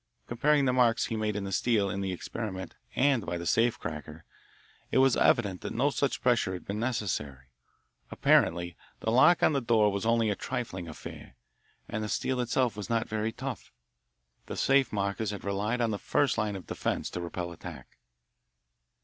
Comparing the marks made in the steel in the experiment and by the safe cracker, it was evident that no such pressure had been necessary. Apparently the lock on the door was only a trifling affair, and the steel itself was not very, tough. The safe makers had relied on the first line of defence to repel attack.